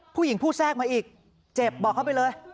ผู้หญิงผู้แทรกมาอีกเจ็บบอกเขาไปเลย